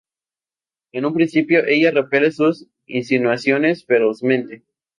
En un principio, ella repele sus insinuaciones ferozmente.